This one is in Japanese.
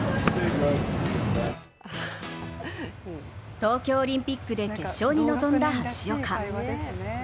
東京オリンピックで決勝に臨んだ橋岡。